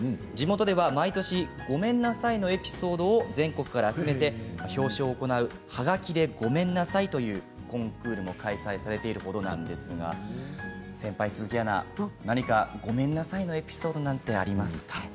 地元では毎年ごめんなさいのエピソードを全国から集めて表彰を行うハガキでごめんなさいというコンクールも開催されているほどなんですが先輩、鈴木アナ何かごめんなさいのエピソードなんてありますか？